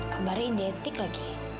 kembaran identik lagi